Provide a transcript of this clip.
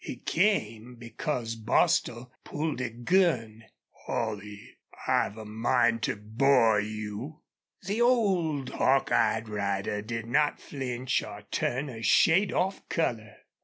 It came because Bostil pulled a gun. "Holley, I've a mind to bore you!" The old hawk eyed rider did not flinch or turn a shade off color.